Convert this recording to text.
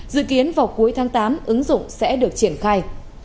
dự kiến vào cuối tháng tám ứng dụng sẽ được triển khai